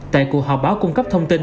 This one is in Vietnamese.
tại cuộc họp báo cung cấp thông tin